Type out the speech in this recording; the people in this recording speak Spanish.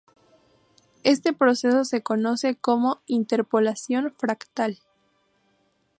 Este proceso se conoce como "interpolación fractal".